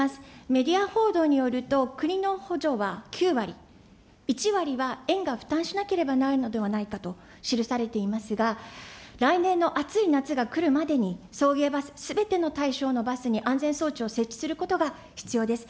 メディア報道によると、国の補助は９割、１割は園が負担しなければならないのではないかと記されていますが、来年の暑い夏が来るまでに、送迎バスすべての対象のバスに安全装置を設置することが必要です。